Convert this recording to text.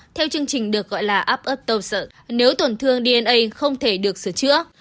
theo chương trình được gọi là aptos nếu tổn thương dna không thể được sửa chữa